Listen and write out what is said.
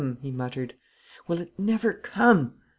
he muttered. "Will it never come?"